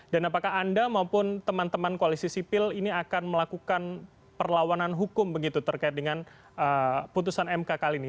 dan apakah anda maupun teman teman koalisi sipil ini akan melakukan perlawanan hukum begitu terkait dengan putusan mk kali ini